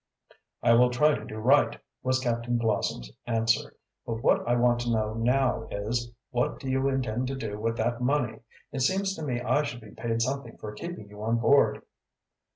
"I will try to do right," was Captain Blossom's answer. "But what I want to know now is, What do you intend to do with that money? It seems to me I should be paid something for keeping you on board."